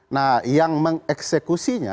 nah yang mengeksekusinya